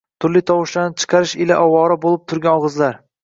Turli tovushlarni chiqarish ila ovora bo‘lib turgan og‘izlar